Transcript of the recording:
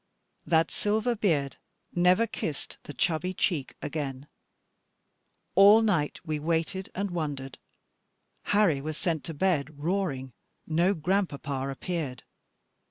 That silver beard never kissed the chubby cheek again. All night we waited and wondered: Harry was sent to bed roaring; no grandpapa appeared.